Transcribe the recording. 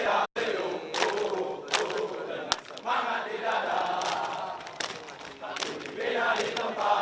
aku dipinari tempat